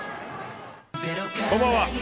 こんばんは。